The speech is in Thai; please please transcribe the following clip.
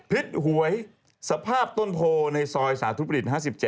พิษหวยสภาพต้นโพในซอยสาธุปริศ๕๗